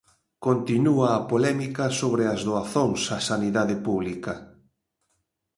Continúa a polémica sobre as doazóns á sanidade pública.